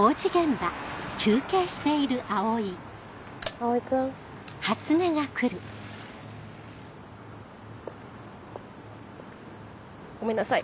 ・蒼君・ごめんなさい